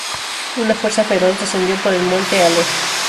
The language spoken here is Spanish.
Una fuerza feroz descendió por el Monte Aleph.